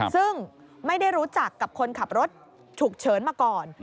ซึ่งไม่ได้รู้จักกับคนขับรถฉุกเฉินมาก่อน